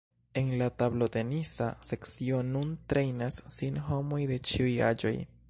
En la tablotenisa sekcio nun trejnas sin homoj de ĉiuj aĝoj.